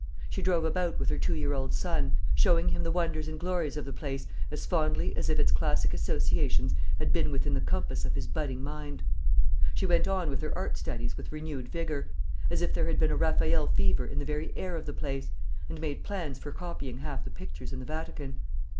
She drove about with her two year old son, showing him the wonders and glories of the place as fondly as if its classic associations had been within the compass of his budding mind. She went on with her art studies with renewed vigour, as if there had been a Raffaelle fever in the very air of the place, and made plans for copying half the pictures in the Vatican.